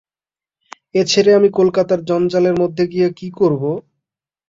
এ ছেড়ে আমি কলকাতার জঞ্জালের মধ্যে গিয়ে কী করব।